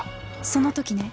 その時ね。